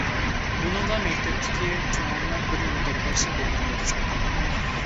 بۇنىڭغا مەكتەپتىكى چوڭاملار بىر نېمە دەپ بەرسە بولىدىغان ئوخشايدۇ.